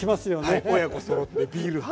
はい親子そろってビール派。